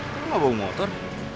kamu gak bawa motor